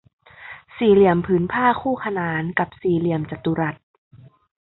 สี่เหลี่ยมผืนผ้าคู่ขนานกับสี่เหลี่ยมจัตุรัส